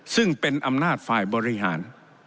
ซึ่งเป็นอำนาจฝ่ายบริหาร